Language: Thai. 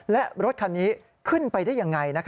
และรถคันนี้ขึ้นไปได้ยังไง